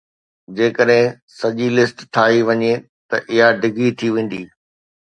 جيڪڏهن سڄي لسٽ ٺاهي وڃي ته اها ڊگهي ٿي ويندي.